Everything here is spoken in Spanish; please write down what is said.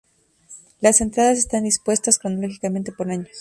Las entradas están dispuestas cronológicamente por año.